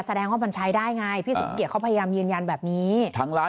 แสดงว่ามันใช้ได้ไงพี่สมเกียจเขาพยายามยืนยันแบบนี้ทางร้าน